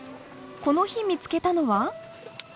この日見つけたのは？